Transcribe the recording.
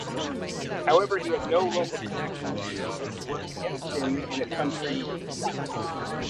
However, he had no local connections, which worked against him in a country seat.